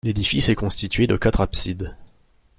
L'édifice est constitué de quatre absides.